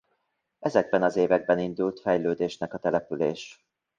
Ezekben az években indult fejlődésnek a település.